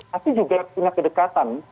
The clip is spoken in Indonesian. pasti juga punya kedekatan